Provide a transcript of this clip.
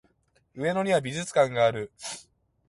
上野には美術館がある